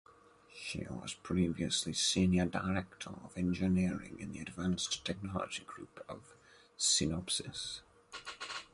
She was previously Senior Director of Engineering in the Advanced Technology Group of Synopsys.